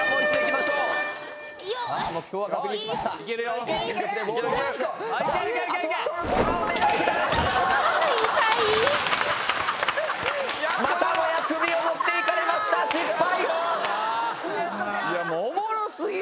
またもや首を持って行かれました失敗！